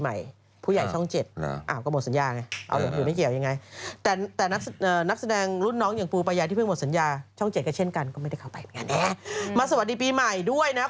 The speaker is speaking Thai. ใหม่ผู้ใหญ่ของเจ็ปอาวิทยาลัยแต่นักนักแสดงรุ่นน้องอย่างปูไปใหญ่ที่คือเฉยอย่างจะเห็นกันก็ไม่เกิดมาสวัสดีปีใหม่ด้วยนะ